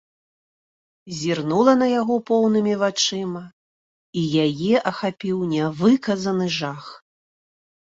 Зірнула на яго поўнымі вачыма, і яе ахапіў нявыказаны жах.